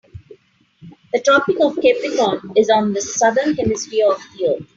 The Tropic of Capricorn is on the Southern Hemisphere of the earth.